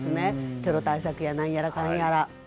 テロ対策やなんやらかんやら。